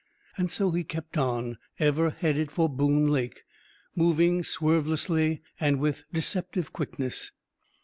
And so he kept on, ever headed for Boone Lake, moving swervelessly and with deceptive quickness.